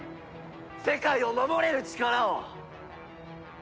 世界を守れる力を！